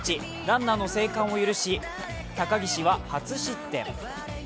ランナーの生還を許し、高岸は初失点。